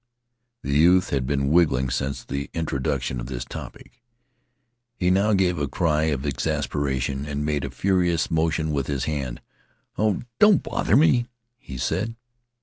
The youth had been wriggling since the introduction of this topic. He now gave a cry of exasperation and made a furious motion with his hand. "Oh, don't bother me!" he said.